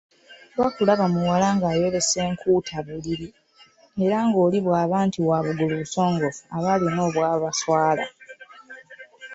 Oba kulaba muwala ng'ayolesa enkuutabuliri, era ngoli bwaba nti wa bugulu busongovu, abalina obwabaswala,